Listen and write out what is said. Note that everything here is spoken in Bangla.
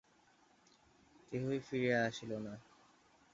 কেহই ফিরিয়া আসিল না।